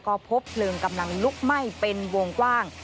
ก็พบเพลิงกำลังลุกไหม้เป็นวงกว้าง